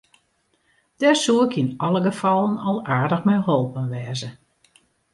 Dêr soe ik yn alle gefallen al aardich mei holpen wêze.